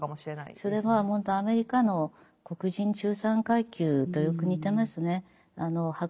それはほんとアメリカの黒人中産階級とよく似てますね。